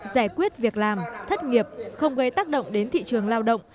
giải quyết việc làm thất nghiệp không gây tác động đến thị trường lao động